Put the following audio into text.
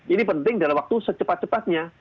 ini penting dalam waktu secepat cepatnya